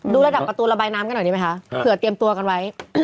ระดับประตูระบายน้ำกันหน่อยดีไหมคะเผื่อเตรียมตัวกันไว้